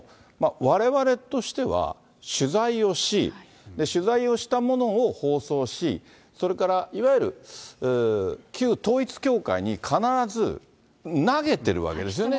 われわれとしては取材をし、取材をしたものを放送し、それからいわゆる旧統一教会に必ず投げてるわけですよね。